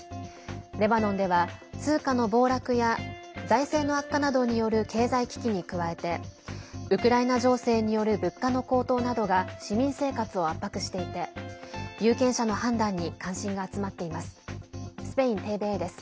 レバノンでは、通貨の暴落や財政の悪化などによる経済危機に加えてウクライナ情勢による物価の高騰などが市民生活を圧迫していて有権者の判断に関心が集まっています。